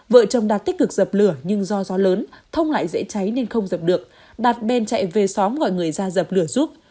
vợ chồng đạt tích cực dập lửa nhưng do gió lớn thông lại dễ cháy nên không dập được đạt bên chạy về xóm gọi người ra dập lửa giúp